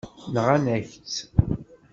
Nɣan-ak-tt.